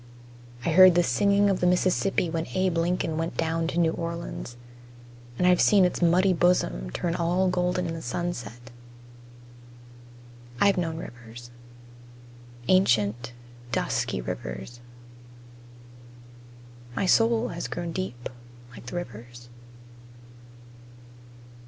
I heard the singing of the Mississippi when Abe Lincoln went down to New Orleans, and I've seen its muddy bosom turn all golden in the sunset. I've known rivers: Ancient, dusky rivers. My soul has grown deep like the rivers.